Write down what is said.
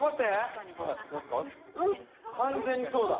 完全にそうだ。